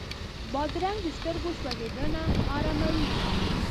بادرنګ د سترګو سوځېدنه اراموي.